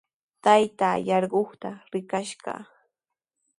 Taytaa yarquqta rikash kaa.